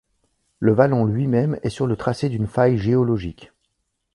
Le vallon lui-même est sur le tracé d'une faille géologique.